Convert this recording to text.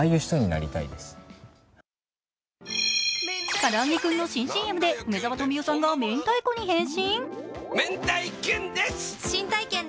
からあげクンの新ＣＭで梅沢富美男さんが明太子に変身？